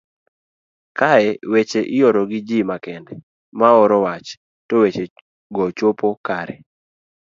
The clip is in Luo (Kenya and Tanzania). kae weche ioro gi gi makende maoro wach to weche go chopo kar